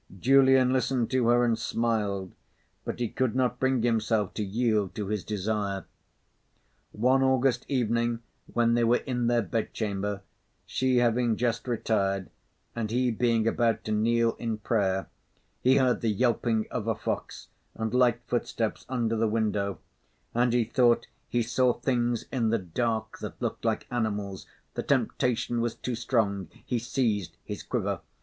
Julian listened to her and smiled, but he could not bring himself to yield to his desire. One August evening when they were in their bed chamber, she having just retired and he being about to kneel in prayer, he heard the yelping of a fox and light footsteps under the window; and he thought he saw things in the dark that looked like animals. The temptation was too strong. He seized his quiver.